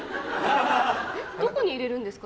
どこに入れるんですか？